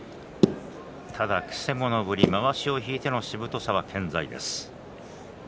ただ、くせ者ぶりまわしを引いてのしぶとさは健在です。